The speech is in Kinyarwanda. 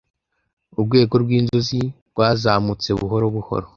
Urwego rwinzuzi rwazamutse buhoro buhoro.